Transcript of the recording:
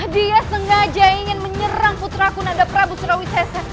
dia sengaja ingin menyerang putra kunanda prabu surawi cesa